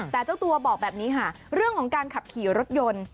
แต่เจ้าตัวบอกแบบนี้ค่ะเรื่องของการขับขี่รถยนต์